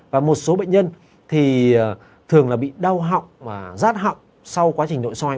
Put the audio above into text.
và một số bệnh nhân thì thường là bị đau họng và rát họng sau quá trình nội soi